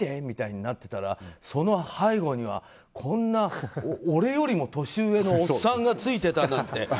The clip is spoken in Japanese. みたいになってたらその背後には、こんな俺よりも年上のおっさんがついてたなんて。